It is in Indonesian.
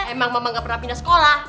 emang mama gak pernah pindah sekolah